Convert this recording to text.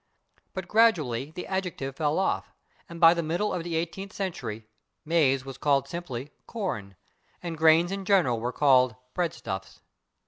But gradually the adjective fell off, and by the middle of the eighteenth century /maize/ was called simply /corn/, and grains in general were called /breadstuffs